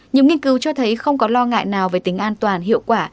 nhiều nghiên cứu cho thấy không có lo ngại nào về tính an toàn hiệu quả